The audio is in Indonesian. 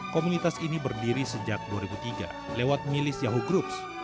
komunitas ini berdiri sejak dua ribu tiga lewat milis yahoo groups